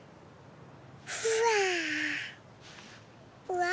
うわ。